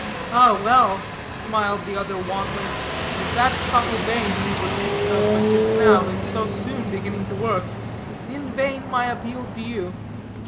"Ah, well," smiled the other wanly, "if that subtle bane, we were speaking of but just now, is so soon beginning to work, in vain my appeal to you.